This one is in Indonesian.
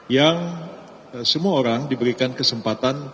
yang semua orang diberikan kesempatan